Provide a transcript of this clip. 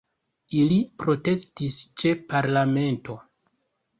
Ili protestis ĉe parlamento.